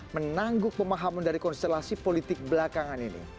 menangguk pemahaman dari konstelasi politik belakangan ini